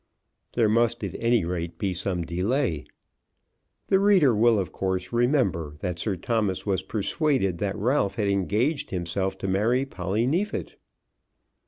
There must at any rate be some delay. The reader will of course remember that Sir Thomas was persuaded that Ralph had engaged himself to marry Polly Neefit.